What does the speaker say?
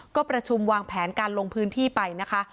ก็ประชุมวางแผนการลงพื้นที่ไปนะคะ